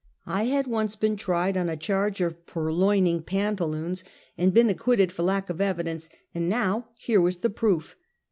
I had once been tried on a charge of purloin ing pantaloons, and been acquitted for lack of evidence; but now, here was the proof!